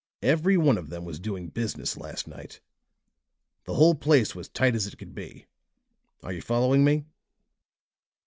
Every one of them was doing business last night. The whole place was tight as it could be. Are you following me?"